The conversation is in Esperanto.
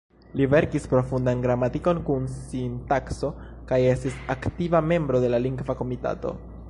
Li verkis profundan gramatikon kun sintakso kaj estis aktiva membro de la Lingva Komitato.